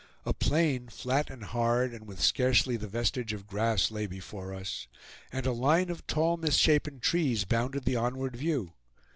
A plain, flat and hard, and with scarcely the vestige of grass, lay before us, and a line of tall misshapen trees bounded the onward view.